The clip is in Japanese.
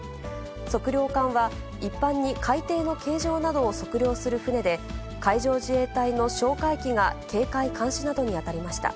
測量艦は、一般に海底の形状などを測量する船で、海上自衛隊の哨戒機が、警戒・監視などに当たりました。